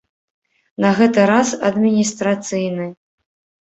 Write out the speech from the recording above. На гэты раз адміністрацыйны.